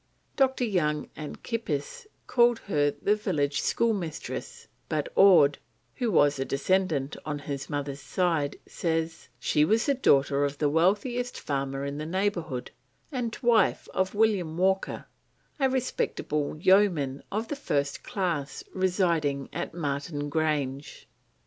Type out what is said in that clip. Dr. Young and Kippis call her the village schoolmistress, but Ord, who was a descendant on his mother's side, says: "she was the daughter of the wealthiest farmer in the neighbourhood, and wife of William Walker, a respectable yeoman of the first class residing at Marton Grange."